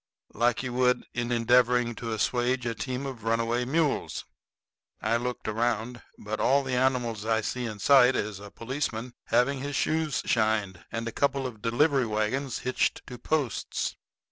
like you would in endeavoring to assuage a team of runaway mules. I looked around; but all the animals I see in sight is a policeman, having his shoes shined, and a couple of delivery wagons hitched to posts.